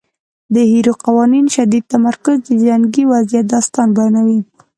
د هیر قوانینو شدید تمرکز د جنګي وضعیت داستان بیانوي.